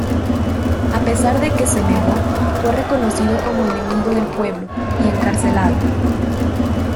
A pesar de que se negó, fue reconocido como enemigo del pueblo, y encarcelado.